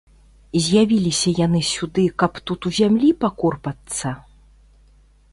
З'явіліся яны сюды, каб тут у зямлі пакорпацца?